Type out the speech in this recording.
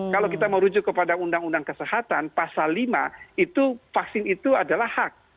kalau kita merujuk kepada undang undang kesehatan pasal lima itu vaksin itu adalah hak